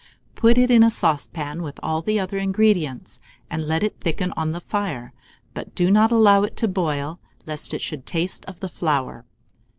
Put it in a saucepan with all the other ingredients, and let it thicken on the fire, but do not allow it to boil, lest it should taste of the flour.